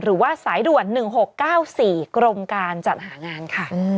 หรือว่าสายด่วน๑๖๙๔กรมการจัดหางานค่ะ